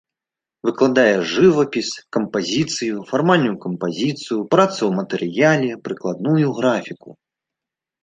Выкладае жывапіс, кампазіцыю, фармальную кампазіцыю, працу ў матэрыяле, прыкладную графіку.